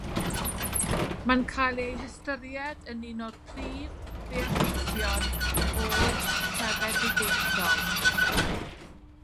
Mae'n cael ei hystyried yn un o'r prif ddeallusion ôl-trefedigaethol.